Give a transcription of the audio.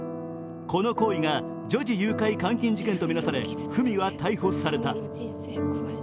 この行為が女児誘拐監禁事件とみなされ文は逮捕された。